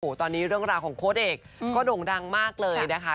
ตอนนี้เรื่องราวของโค้ดเอกก็โด่งดังมากเลยนะคะ